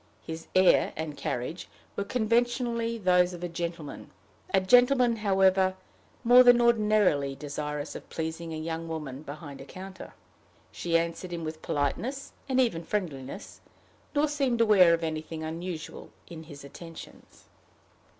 His air and carriage were conventionally those of a gentleman a gentleman, however, more than ordinarily desirous of pleasing a young woman behind a counter. She answered him with politeness, and even friendliness, nor seemed aware of anything unusual in his attentions.